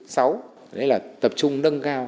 đấy là tập trung nâng cao